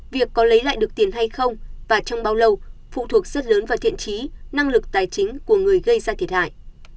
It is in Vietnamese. việc có lấy lại được tiền hay không và trong bao lâu phụ thuộc rất lớn vào thiện trí năng lực tài chính của người gây ra thiệt hại